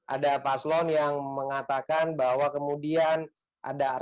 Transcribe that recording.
ada paslon yang mengatakan bahwa kemudian ada regulasi yang belum berhasil